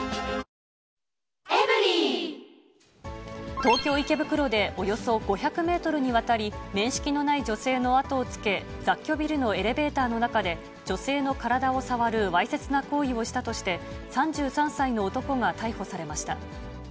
東京・池袋で、およそ５００メートルにわたり、面識のない女性の後をつけ、雑居ビルのエレベーターの中で、女性の体を触る、わいせつな行為をしたとして、３３歳の男が逮捕されました。